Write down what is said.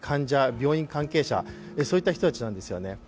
病院関係者、そういった人たちなんですよね。